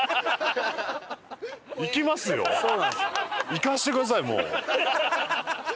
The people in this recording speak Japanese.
行かせてくださいもう。